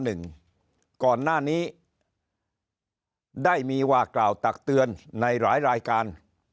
ก่อนหน้านี้ได้มีว่ากล่าวตักเตือนในหลายรายการ